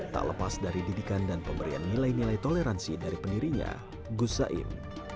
tak lepas dari didikan dan pemberian nilai nilai toleransi dari pendirinya gus zain